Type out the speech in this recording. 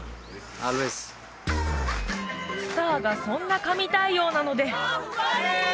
スターがそんな神対応なのでバーフバリ！